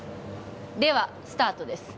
ではスタートです